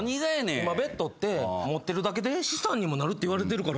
今ベッドって持ってるだけで資産にもなるっていわれてるから。